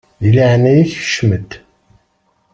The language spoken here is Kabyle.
Di leɛnaya-k kcem-d!